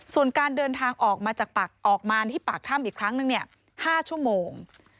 ส่วนการเดินทางออกมาจากปากออกมาที่ปากถ้ำอีกครั้งนึง๕ชั่วโมง